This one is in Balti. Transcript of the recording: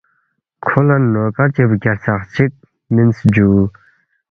کھو لہ نوکر چی بگیا ہرژقچِک مِنس جُو